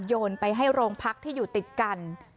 โยนไปให้โรงพักที่อยู่ติดกัน